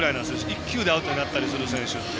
１球でアウトになったりする選手って。